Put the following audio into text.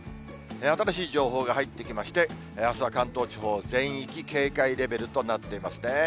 新しい情報が入ってきまして、あすは関東地方全域警戒レベルとなっていますね。